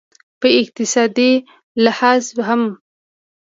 په اقتصادي لحاظ هم